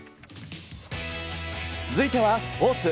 続いてはスポーツ。